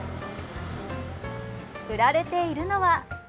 売られているのは。